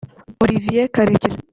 Olivier Karekezi